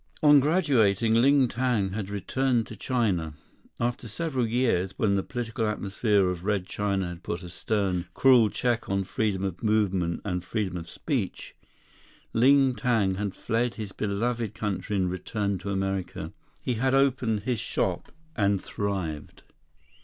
On graduating, Ling Tang had returned to China. After several years, when the political atmosphere of Red China had put a stern, cruel check on freedom of movement and freedom of speech, Ling Tang had fled his beloved country and returned to America. He had opened his shop and thrived.